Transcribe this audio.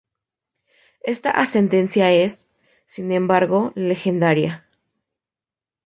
Esta ascendencia es, sin embargo, legendaria.